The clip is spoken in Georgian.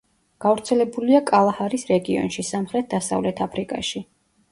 გავრცელებულია კალაჰარის რეგიონში, სამხრეთ-დასავლეთ აფრიკაში.